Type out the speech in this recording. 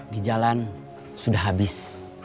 di jalan sudah habis